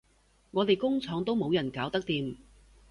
我哋工廠都冇人搞得掂